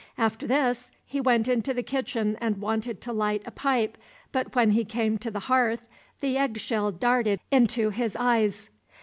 After this he went into the kitchen and wanted to light a pipe, but when he came to the hearth the egg shell darted into his eyes.